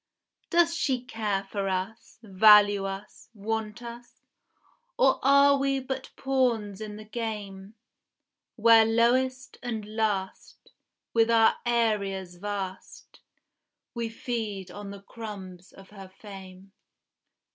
Doth she care for us, value us, want us, Or are we but pawns in the game; Where lowest and last, with our areas vast, We feed on the crumbs of her fame?